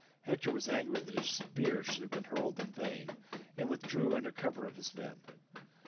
Hector was angry that his spear should have been hurled in vain, and withdrew under cover of his men.